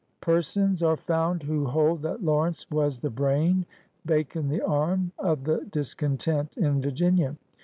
Persons are found who hold that Lawrence was the brain. Bacon the arm, of the discontent in Virginia.